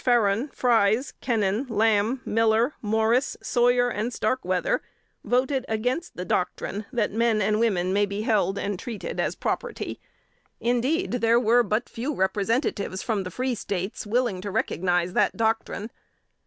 Faran, Fries, Kennon, Lamb, Miller, Morris, Sawyer and Starkweather voted against the doctrine that men and women may be held and treated as property. Indeed, there were but few Representatives from the free States willing to recognize that doctrine.